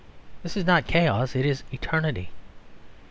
This is not chaos; it is eternity.